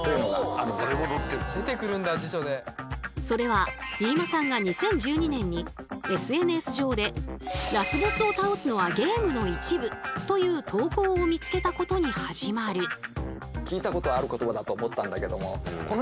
それは飯間さんが２０１２年にＳＮＳ上で「ラスボスを倒すのはゲームの一部」という投稿を見つけたことに始まる。